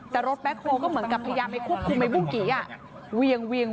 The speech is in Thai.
แต่รถแบ็คโฮก็เหมือนกับพยายามไปควบคุมไอ้บุ้งกียง